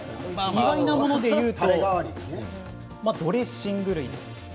意外なものでいうとドレッシング類。